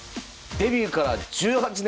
デビューから１８年。